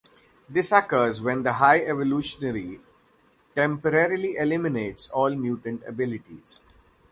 This occurs when the High Evolutionary temporarily eliminates all mutant abilities.